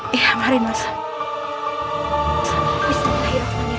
kita harus pergi munyai